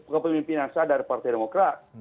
kemimpinan saya dari partai demokrat